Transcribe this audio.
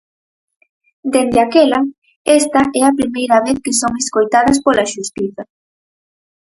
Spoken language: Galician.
Dende aquela, esta é a primeira vez que son escoitadas pola xustiza.